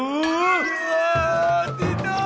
うわ出た！